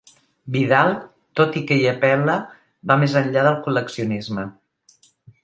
Vidal, tot i que hi apel·la, va més enllà del col·leccionisme.